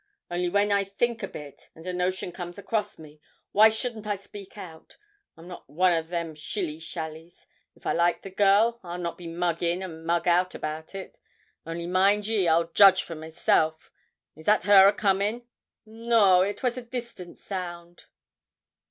Only when I think a bit, and a notion comes across me, why shouldn't I speak out? I'm not one o' them shilly shallies. If I like the girl, I'll not be mug in and mug out about it. Only mind ye, I'll judge for myself. Is that her a coming?' 'No; it was a distant sound.'